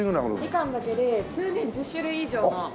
みかんだけで通年１０種類以上の。